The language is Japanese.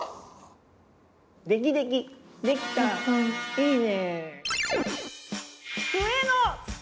いいね！